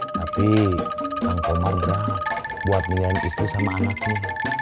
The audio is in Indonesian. tapi kang komar berangat buat milih istri sama anaknya